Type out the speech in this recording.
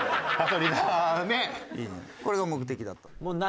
これが目的だった。